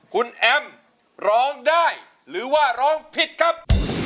คุณแอมร้องได้หรือว่าร้องผิดครับ